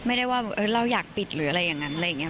ไม่ได้ว่าเราอยากปิดหรืออะไรอย่างนั้นอะไรอย่างนี้